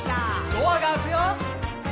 「ドアが開くよ」